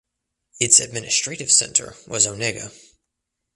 Its administrative centre was Onega.